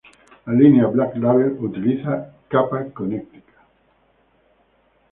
La línea Black Label utiliza capa Connecticut.